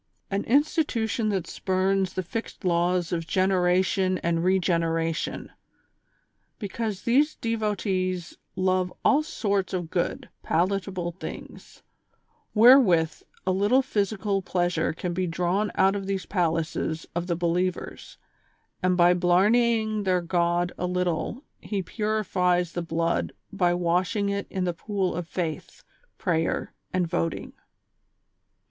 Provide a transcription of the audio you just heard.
An institution that spurns the fixed laws of generation and regeneration ; because its devotees love all sorts of good, palatable things, wherewith a little physical pleasure can be drawn out of these palaces of the believers, and by blarneying their god a little he purifies the blood by wash ing it in the pool of faith, prayer and voting.